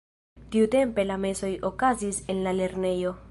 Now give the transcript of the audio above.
Tiutempe la mesoj okazis en la lernejo.